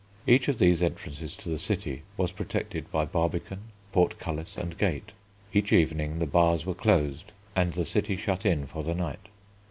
Each of these entrances to the city was protected by barbican, portcullis, and gate. Each evening the Bars were closed and the city shut in for the night.